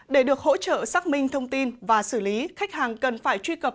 để được hỗ trợ xác minh thông tin và xử lý khách hàng cần phải truy cập